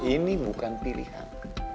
ini bukan pilihan